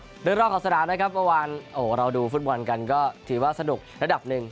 เรื่องรอบขอบสนามนะครับเมื่อวานโอ้โหเราดูฟุตบอลกันก็ถือว่าสนุกระดับหนึ่ง